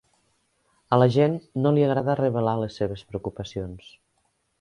A la gent no li agrada revelar les seves preocupacions.